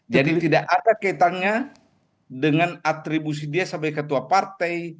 jadi tidak ada kaitannya dengan atribusi dia sebagai ketua partai